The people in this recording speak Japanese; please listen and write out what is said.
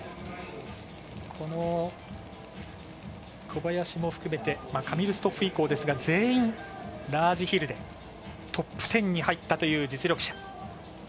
この小林も含めてカミル・ストッフ以降ですが全員ラージヒルでトップ１０に入ったという実力者。